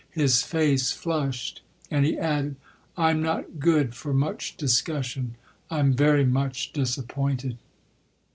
His face flushed and he added: "I'm not good for much discussion; I'm very much disappointed."